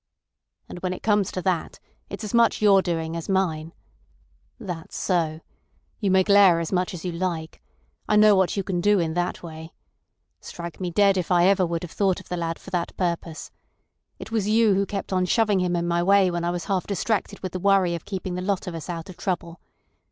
"And when it comes to that, it's as much your doing as mine. That's so. You may glare as much as you like. I know what you can do in that way. Strike me dead if I ever would have thought of the lad for that purpose. It was you who kept on shoving him in my way when I was half distracted with the worry of keeping the lot of us out of trouble.